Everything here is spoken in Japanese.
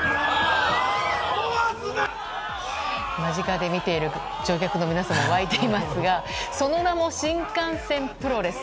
間近で見ている乗客の皆さんも沸いていますがその名も、新幹線プロレス。